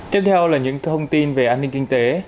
tiếp theo là những thông tin về an ninh kinh tế